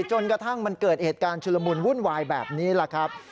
จนกระทั่งมันเกิดเหตุการณ์ชุลมุนวุ่นวายแบบนี้แหละครับ